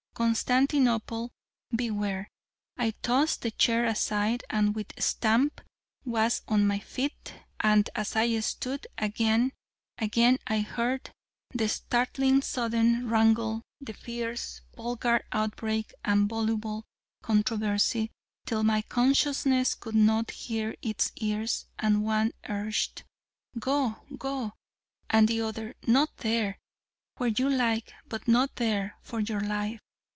Constantinople beware!' I tossed the chair aside, and with a stamp was on my feet: and as I stood again, again I heard: the startlingly sudden wrangle, the fierce, vulgar outbreak and voluble controversy, till my consciousness could not hear its ears: and one urged: 'Go! go!' and the other: 'Not there...! where you like, ... but not there...! for your life!'